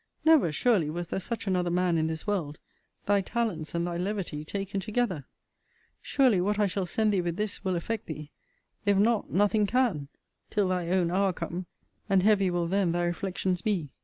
Never, surely, was there such another man in this world, thy talents and thy levity taken together! Surely, what I shall send thee with this will affect thee. If not, nothing can, till thy own hour come: and heavy will then thy reflections be!